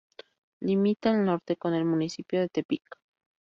Limita al Norte con el municipio de Tepic.